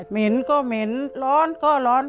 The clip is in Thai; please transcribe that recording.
เหม็นก็เหม็นร้อนก็ร้อน